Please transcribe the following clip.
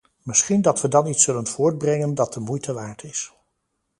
Misschien dat we dan iets zullen voortbrengen dat de moeite waard is.